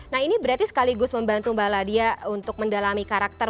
nah ini berarti sekaligus membantu mbak ladia untuk mendalami karakter